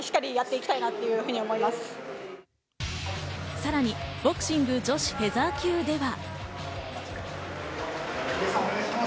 さらにボクシング女子フェザー級では。